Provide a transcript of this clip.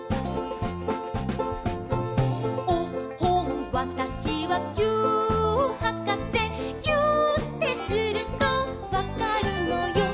「おっほんわたしはぎゅーっはかせ」「ぎゅーってするとわかるのよ」